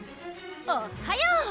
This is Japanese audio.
おっはよ！